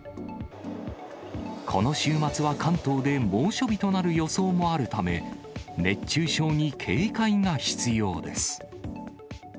この週末は関東で猛暑日となる予想もあるため、熱中症に警戒が必要です。